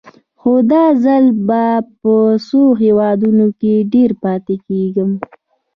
خو دا ځل به په څو هېوادونو کې ډېر پاتې کېږم.